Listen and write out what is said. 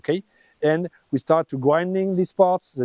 kemudian kita mulai menggabungkan bahan bahan ini